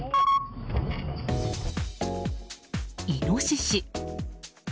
イノシシ。